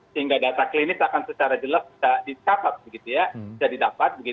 sehingga data klinis akan secara jelas bisa dicapat